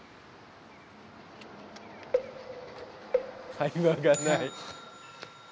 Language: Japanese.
会話がない。